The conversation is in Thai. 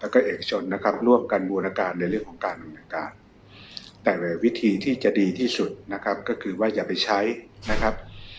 แล้วก็เอกชนนะครับร่วมกันบูรณการในเรื่องของการดำเนินการแต่วิธีที่จะดีที่สุดนะครับก็คือว่าอย่าไปใช้นะครับ